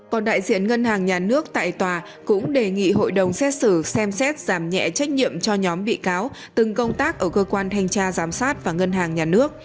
còn đại diện ngân hàng nhà nước tại tòa cũng đề nghị hội đồng xét xử xem xét giảm nhẹ trách nhiệm cho nhóm bị cáo từng công tác ở cơ quan thanh tra giám sát và ngân hàng nhà nước